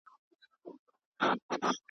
نه مېلې سته نه سازونه نه جشنونه .